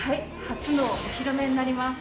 初のお披露目になります。